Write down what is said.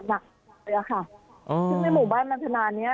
ทั้งหมู่บ้านมันพฤษภาชนานี้